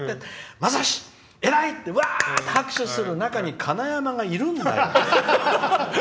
まさし、偉い！って拍手する中に金山がいるんだよ。